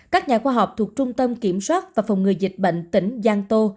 các nhà khoa học thuộc trung tâm kiểm soát và phòng ngừa dịch bệnh tỉnh giang tô